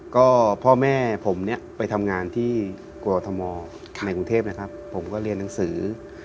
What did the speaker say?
ก็พ่อแม่ผมเนี่ยไปทำงานที่กรทมในกรุงเทพนะครับผมก็เรียนหนังสือ